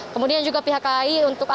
kemudian juga pihak kai untuk